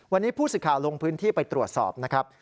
วันนี้ผู้สื่อข่าวลงพื้นที่ไปตรวจสอบนะครับ